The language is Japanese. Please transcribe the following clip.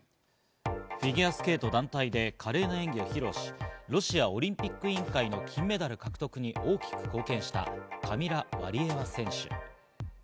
フィギュアスケート団体で華麗な演技を披露し、ロシアオリンピック委員会の金メダル獲得に大きく貢献したカミラ・ワリエワ選手。